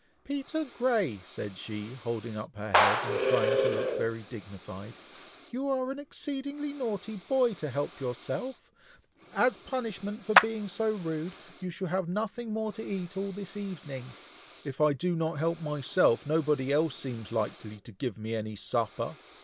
"Peter Grey!" said she, holding up her head, and trying to look very dignified, "you are an exceedingly naughty boy, to help yourself! As a punishment for being so rude, you shall have nothing more to eat all this evening." "If I do not help myself, nobody else seems likely to give me any supper!